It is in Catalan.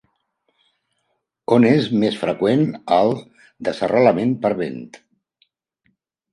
On és més freqüent el desarrelament per vent?